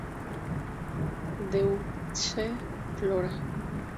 Deutsche Flora.